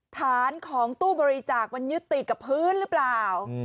ฐานของตู้บริจาคมันยึดติดกับพื้นหรือเปล่า